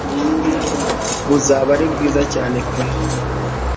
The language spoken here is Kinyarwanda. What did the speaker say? buzaba ari bwiza cyane pe